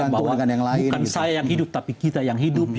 bahwa bukan saya yang hidup tapi kita yang hidup